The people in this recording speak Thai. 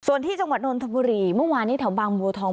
ส่วนที่จังหวัดนนทบุรีเมื่อวานนี้แถวบางบัวทอง